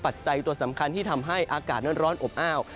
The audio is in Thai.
จัยตัวสำคัญที่ทำให้อากาศนั้นร้อนอบอ้าว